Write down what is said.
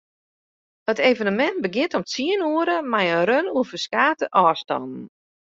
It evenemint begjint om tsien oere mei in run oer ferskate ôfstannen.